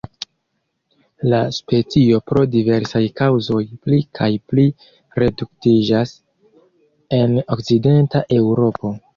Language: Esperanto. La specio pro diversaj kaŭzoj pli kaj pli reduktiĝas en Okcidenta Eŭropo.